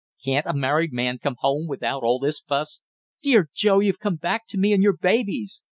Can't a married man come home without all this fuss?" "Dear Joe, you've come back to me and your babies!"